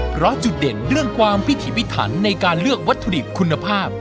เพราะจุดเด่นเรื่องความพิถีพิถันในการเลือกวัตถุดิบคุณภาพ